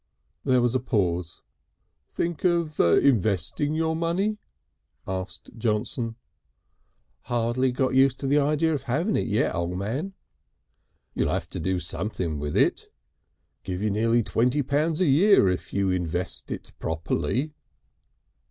There was a pause. "Think of investing your money?" asked Johnson. "Hardly got used to the idea of having it yet, O' Man." "You'll have to do something with it. Give you nearly twenty pounds a year if you invest it properly."